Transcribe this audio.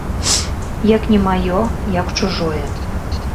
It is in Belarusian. Як не маё, як чужое.